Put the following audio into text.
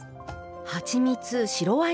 はちみつ白ワイン